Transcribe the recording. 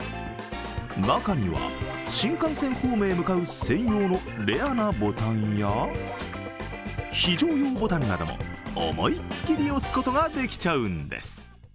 中には、新幹線ホームへ向かう専用のレアなボタンや非常用ボタンなども思いっきり押すことができちゃうんです。